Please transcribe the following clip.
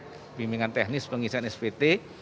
pembimbingan teknis pengisian spt